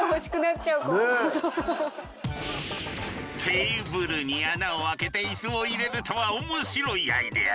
テーブルに穴を開けてイスを入れるとは面白いアイデアじゃ。